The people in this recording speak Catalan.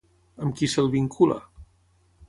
Amb qui se'l vincula?